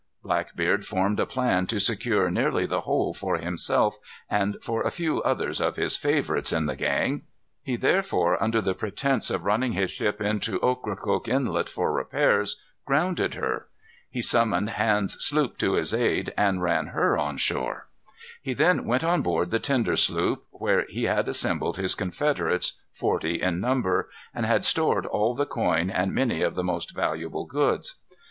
Blackbeard formed a plan to secure nearly the whole for himself, and for a few others of his favorites in the gang. He therefore, under pretence of running his ship into Ocracoke Inlet for repairs, grounded her. He summoned Hands' sloop to his aid and ran her on shore. He then went on board the tender sloop, where he had assembled his confederates, forty in number, and had stored all the coin and many of the most valuable goods.